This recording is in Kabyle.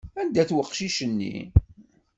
Anda-t weqcic-nni?